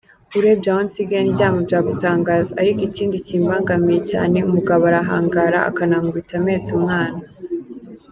Urebye aho nsigaye ndyama byagutangaza, ariko ikindi kimbangamiye cyane umugabo arahangara akanankubita mpetse umwana.